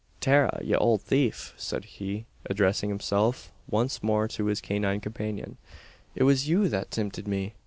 "Tara, ye owld thief!" said he, addressing himself once more to his canine companion, "it was you that timpted me!